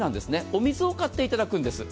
お水を買っていただくんです。